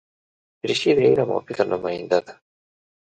دریشي د علم او فکر نماینده ده.